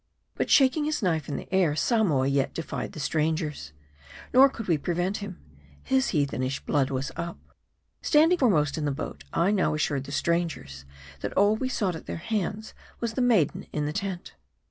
But shaking his knife in the air, Samoa yet defied the strangers ; nor could we prevent him. His heathenish blood was up. Standing foremost in the boat, I now assured the strangers, that all we sought at their hands was the maiden in the tent.